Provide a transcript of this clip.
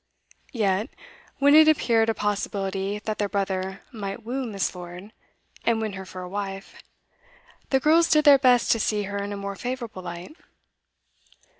Yet, when it appeared a possibility that their brother might woo Miss. Lord and win her for a wife, the girls did their best to see her in a more favourable light.